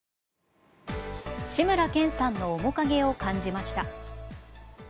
志村けんさんの面影を感じました。